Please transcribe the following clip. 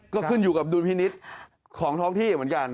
ก็ขึ้นอยู่กับดุลพินิษฐ์ของท้องที่เหมือนกัน